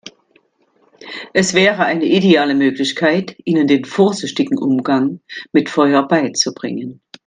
Es wäre eine ideale Möglichkeit, ihnen den vorsichtigen Umgang mit Feuer beizubringen.